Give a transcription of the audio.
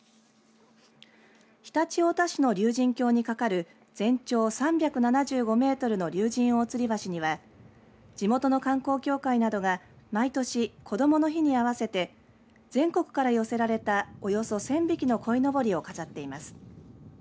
常陸太田市の竜神峡に架かる全長３７５メートルの竜神大吊橋には地元の観光協会などが毎年こどもの日に合わせて全国から寄せられたおよそ１０００匹のこいのぼりを飾っています。